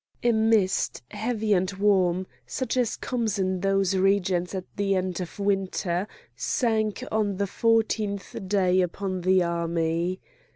A mist heavy and warm, such as comes in those regions at the end of winter, sank on the fourteenth day upon the army.